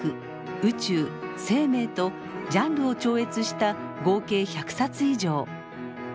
宇宙生命とジャンルを超越した合計１００冊以上。